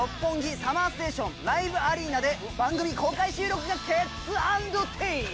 ＳＵＭＭＥＲＳＴＡＴＩＯＮＬＩＶＥアリーナで番組公開収録がケッツアンドテイ！